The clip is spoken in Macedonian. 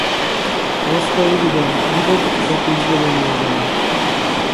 Остави ги да видат како изгледа една жена.